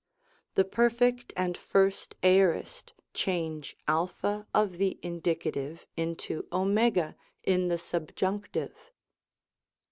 The Perfect and Ist Aorist change a of the Indie, into (o in the Subjunctive.